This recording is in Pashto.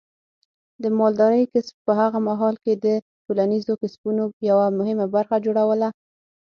د مالدارۍ کسب په هغه مهال کې د ټولنیزو کسبونو یوه مهمه برخه جوړوله.